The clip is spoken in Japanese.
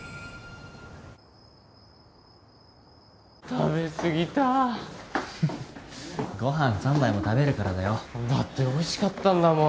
食べすぎたご飯３杯も食べるからだよだっておいしかったんだもん